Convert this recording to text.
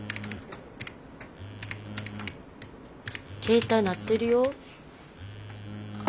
携帯鳴ってるよ！